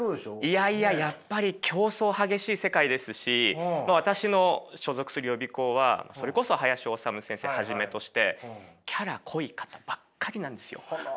いやいややっぱり競争激しい世界ですし私の所属する予備校はそれこそ林修先生をはじめとしてキャラ濃い方ばっかりなんですよ。